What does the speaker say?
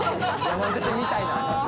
山手線みたいな。